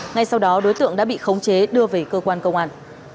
ngay sau đó đối tượng đã bị khống chế đưa về cơ quan công an